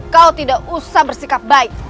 kau tidak usah bersikap baik